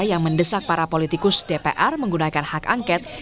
yang mendesak para politikus dpr menggunakan hak angket